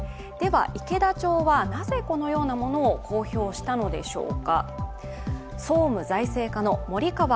池田町はなぜこのようなものを公表したのでしょうか。